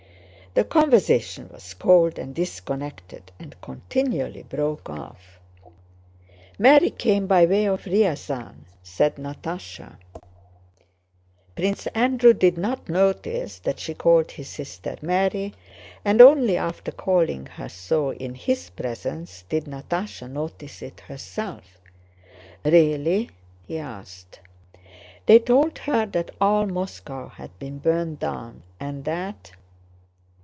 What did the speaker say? The conversation was cold and disconnected and continually broke off. "Mary came by way of Ryazán," said Natásha. Prince Andrew did not notice that she called his sister Mary, and only after calling her so in his presence did Natásha notice it herself. "Really?" he asked. "They told her that all Moscow has been burned down, and that..."